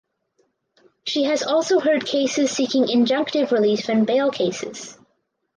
She has also heard cases seeking injunctive relief and bail cases.